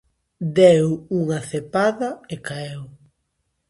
Deu unha cepada e caeu.